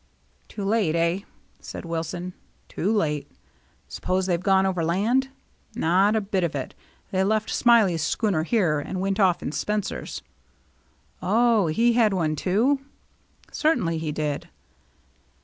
" Too late, eh ?" said Wilson. "Too late." " Suppose they've gone overland ?" "Not a bit of it. They left Smiley 's schooner here and went off in Spencer's.'* " Oh, he had one too ?"" Certainly he did."